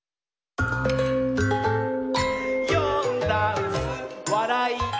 「よんだんす」「わらい」！